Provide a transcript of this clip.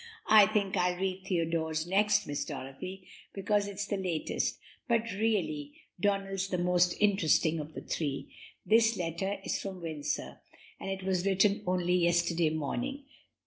"I think I'll read Theodore's next, Miss Dorothy, because it's the latest, but really Donald's the most interesting of the three. This letter, is from Windsor, and it was written only yesterday morning.